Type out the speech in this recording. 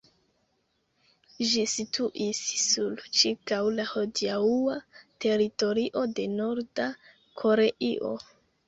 Ĝi situis sur ĉirkaŭ la hodiaŭa teritorio de Norda Koreio.